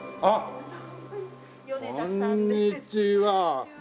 あっこんにちは。